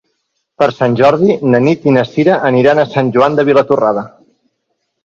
Per Sant Jordi na Nit i na Cira aniran a Sant Joan de Vilatorrada.